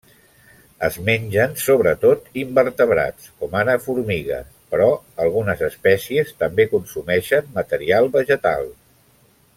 Es mengen sobretot invertebrats, com ara formigues, però algunes espècies també consumeixen material vegetal.